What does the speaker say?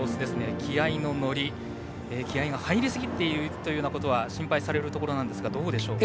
気合いの乗り気合いが入りすぎているというのは心配されるところなんですがどうでしょうか？